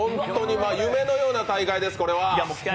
夢のような大会です、これは。